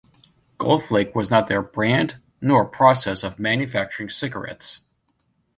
Goldflake was neither a brand nor a process of manufacturing cigarettes.